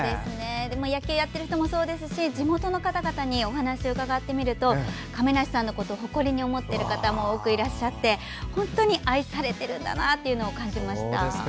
野球やってる人もそうですし地元の方々にお話を伺ってみると亀梨さんのことを誇りに思っている方も多くいらっしゃって本当に愛されてるんだなと感じました。